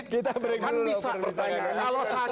kan bisa pertanyaan